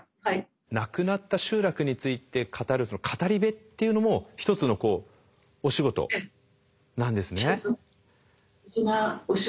なくなった集落について語る語り部っていうのも一つのお仕事なんですね。